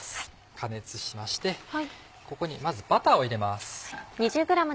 加熱しましてここにまずバターを入れます。